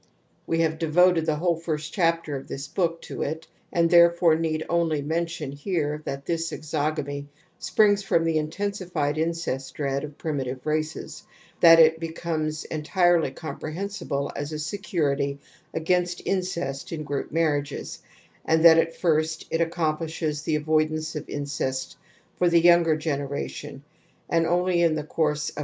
We have devoted the whole first chapter of this book to it, and therefore need only mention here tha this jgsgjgamy sprutes from the intensified ince^st dread of primitive races, that it becomes en tirely comprehensible as a security against inces t in group marriages^ and^Eat at first it accomplishes the avoidance of incest for the yoimger generation and only in the course of \^ V.